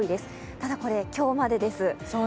ただ、これは今日までです。